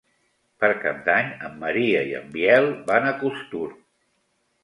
Per Cap d'Any en Maria i en Biel van a Costur.